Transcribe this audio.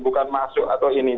bukan masuk atau ini